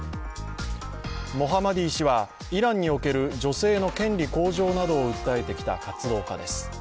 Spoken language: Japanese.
モハマディ氏はイランにおける女性の権利向上などを訴えてきた活動家です。